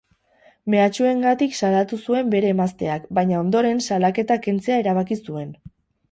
Mehatxuengatik salatu zuen bere emazteak, baina ondoren salaketa kentzea erabaki zuen.